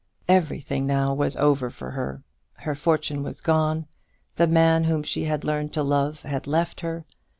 Everything now was over for her. Her fortune was gone. The man whom she had learned to love had left her.